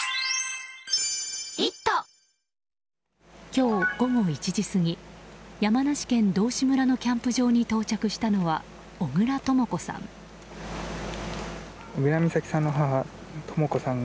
今日、午後１時過ぎ山梨県道志村のキャンプ場に到着したのは小倉とも子さん。